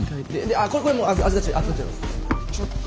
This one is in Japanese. あっこれもう預かっちゃいます。